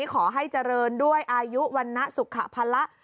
ขอให้เจริญด้วยอายุวรรณสุขภาระ